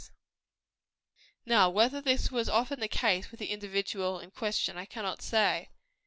Now, whether this was often the case with the individual in question, I cannot say.